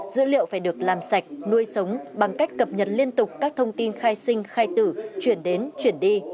dữ liệu phải được làm sạch nuôi sống bằng cách cập nhật liên tục các thông tin khai sinh khai tử chuyển đến chuyển đi